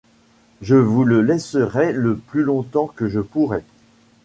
Je vous le laisserai le plus longtemps que je pourrai.